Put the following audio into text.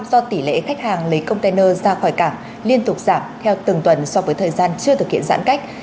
do tỷ lệ khách hàng lấy container ra khỏi cảng liên tục giảm theo từng tuần so với thời gian chưa thực hiện giãn cách